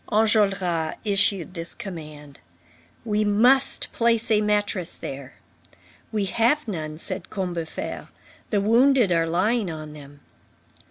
Enjolras issued this command: "We must place a mattress there." "We have none," said Combeferre, "the wounded are lying on them."